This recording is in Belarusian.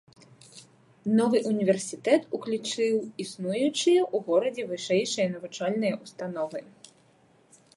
Новы ўніверсітэт уключыў існуючыя ў горадзе вышэйшыя навучальныя ўстановы.